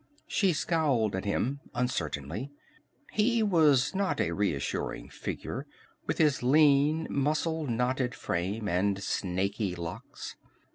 She scowled at him uncertainly. He was not a reassuring figure, with his lean, muscle knotted frame, and snaky locks.